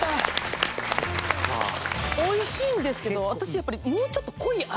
美味しいんですけど私やっぱり。